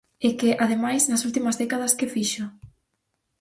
É que, ademais, nas últimas décadas, ¿que fixo?